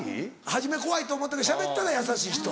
初め怖いと思ったけどしゃべったら優しい人。